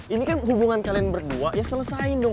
ini kan hubungan kalian berdua ya selesaiin dong